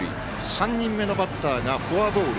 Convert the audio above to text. ３人目のバッターがフォアボール。